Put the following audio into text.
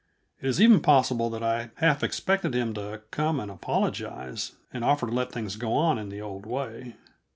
It is even possible that I half expected him to come and apologize, and offer to let things go on in the old way.